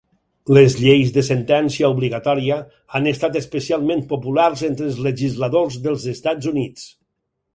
Les lleis de sentència obligatòria han estat especialment populars entre els legisladors dels Estats Units.